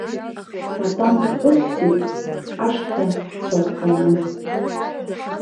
Атанк ықәсит ашҭа цәаӷәаны.